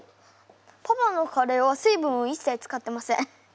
パパのカレーは水分をいっさい使ってません。